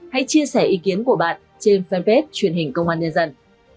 hãy chia sẻ ý kiến của bạn trên fanpage truyền hình công an nhân dân